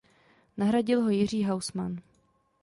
Nahradil ho Jiří Haussmann.